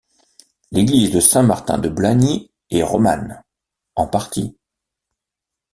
L'église de Saint-Martin-de-Blagny est romane, en partie.